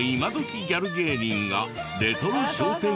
ギャル芸人がレトロ商店街へ。